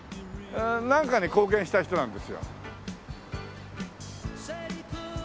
なんかに貢献した人なんですよ。